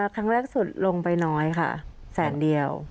ครั้งแรกสุดลงไปน้อยค่ะแสนเดียว